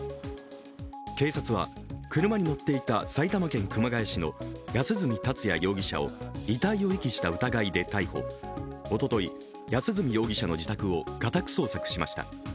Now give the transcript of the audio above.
警察は、車に乗っていた埼玉県熊谷市の安栖達也容疑者を遺体を遺棄した疑いで逮捕、おととい、安栖容疑者の自宅を家宅捜索しました。